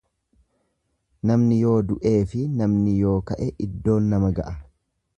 Namni yoo du'eefi namni yoo ka'e iddoon nama ga'a.